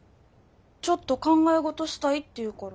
「ちょっと考え事したい」って言うから。